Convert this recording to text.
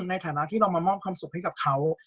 ในฐานะที่เรามามอบความสุขให้กับเขา